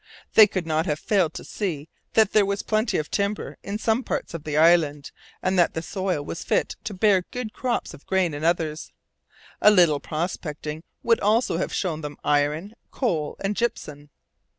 They could not have failed to see that there was plenty of timber in some parts of the island, and that the soil was fit to bear good crops of grain in others. A little prospecting would also have shown them iron, coal, and gypsum.